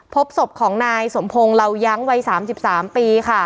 พบศพของนายสมพงศ์เหล่ายั้งวัย๓๓ปีค่ะ